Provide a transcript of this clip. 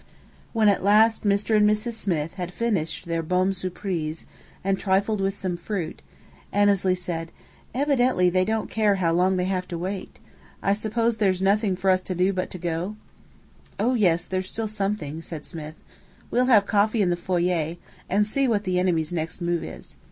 When at last Mr. and Mrs. Smith had finished their bombe surprise, and trifled with some fruit, Annesley said: "Evidently they don't care how long they have to wait! I suppose there's nothing for us to do but to go?" "Oh, yes, there's still something," said Smith. "We'll have coffee in the foyer, and see what the enemy's next move is.